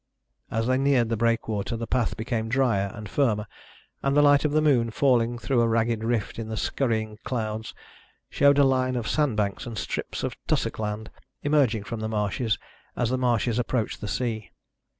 As they neared the breakwater the path became drier and firmer, and the light of the moon, falling through a ragged rift in the scurrying clouds, showed a line of sand banks and strips of tussock land emerging from the marshes as the marshes approached the sea.